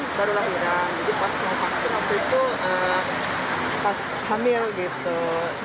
jadi pas mau vaksin waktu itu pas hamil gitu